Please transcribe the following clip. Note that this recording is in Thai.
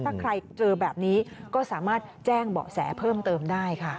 ถ้าใครเจอแบบนี้ก็สามารถแจ้งเบาะแสเพิ่มเติมได้ค่ะ